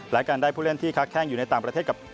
และการได้ผู้เล่นที่ค้าแข้งอยู่ในต่างประเทศกับ